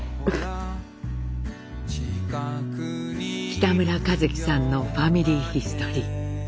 北村一輝さんの「ファミリーヒストリー」。